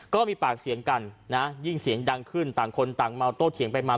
ก็มีปากเสียงกันนะยิ่งเสียงดังขึ้นต่างคนต่างเมาโต้เถียงไปมา